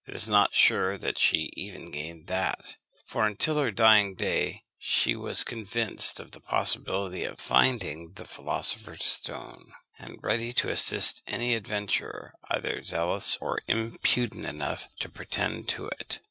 It is not sure that she gained even that; for until her dying day she was convinced of the possibility of finding the philosopher's stone, and ready to assist any adventurer either zealous or impudent enough to pretend to it.